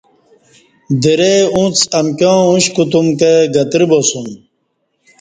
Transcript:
درئ اونڅ امکیاں اوش کوتوم کہ گترہ باسوم